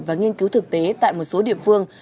và nghiên cứu thực tế tại một số địa phương